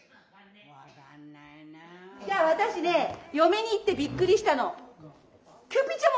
私ね嫁に行ってびっくりしたの。